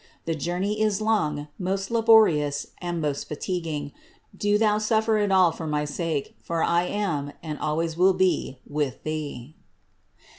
The journey is long, most laborious and most fatiguing; do thou suffer 520 CITY OF GOD it all for my sake; for I am, and always will be, with Thee."